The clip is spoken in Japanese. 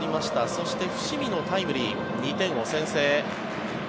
そして、伏見のタイムリー２点を先制。